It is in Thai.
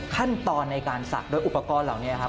ขั้นตอนในการศักดิ์โดยอุปกรณ์เหล่านี้ครับ